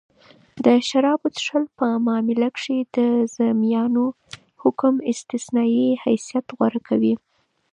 د شرابو څښل په معامله کښي د ذمیانو حکم استثنايي حیثت غوره کوي.